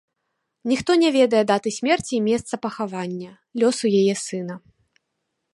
Ніхто не ведае даты смерці і месца пахавання, лёсу яе сына.